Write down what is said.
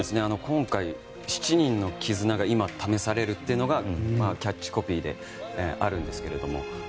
今回「７人の絆が、今、試される。」というのがキャッチコピーであるんですけど。